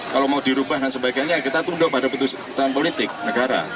kalau mau dirubah dan sebagainya kita tunduk pada keputusan politik negara